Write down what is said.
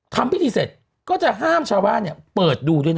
ทำพิธีเสร็จก็จะห้ามชาวบ้านเปิดดูด้วยนะ